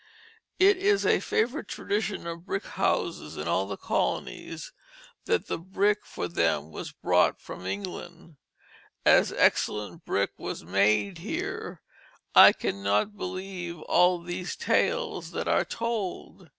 It is a favorite tradition of brick houses in all the colonies that the brick for them was brought from England. As excellent brick was made here, I cannot believe all these tales that are told.